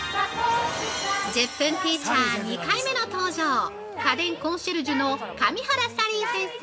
◆「１０分テーチャー」２回目の登場、家電コンシェルジュの神原サリー先生。